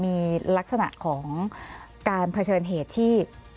มีลักษณะของการเผชิญเหตุที่